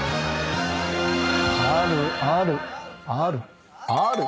⁉あるあるある！